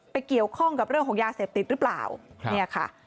เกี่ยวข้องกับเรื่องของยาเสพติดหรือเปล่าเนี่ยค่ะ